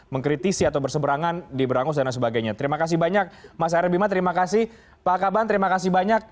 mengkritisi atau berseberangan diberangus dan sebagainya terima kasih banyak mas arbima terima kasih pak kaban terima kasih banyak